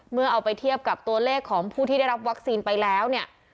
เอาไปเทียบกับตัวเลขของผู้ที่ได้รับวัคซีนไปแล้วเนี่ย